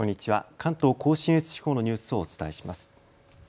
関東甲信越地方のニュースをお伝えします。